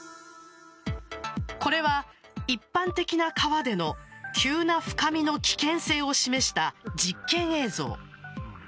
これは一般的な川での急な深みの危険性を示した実験映像。